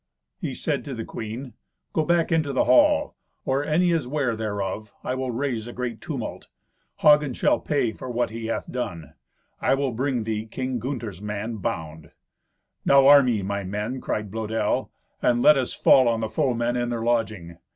He said to the queen, "Go back into the hall. Or any is ware thereof, I will raise a great tumult. Hagen shall pay for what he hath done. I will bring thee King Gunther's man bound." "Now arm ye, my men," cried Blœdel, "and let us fall on the foemen in their lodging.